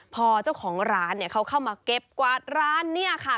พอเจ้าของร้านเข้ามาเก็บกวาดร้านเนี่ยค่ะ